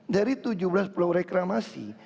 dari tujuh belas pulau reklamasi